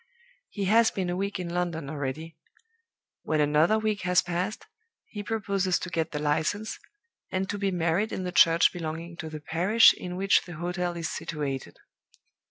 He has been a week in London already. When another week has passed, he proposes to get the License, and to be married in the church belonging to the parish in which the hotel is situated.